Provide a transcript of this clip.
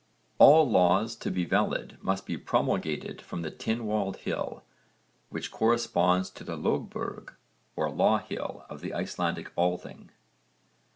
All laws to be valid must be promulgated from the Tynwald Hill which corresponds to the lögberg or law hill of the Icelandic althing.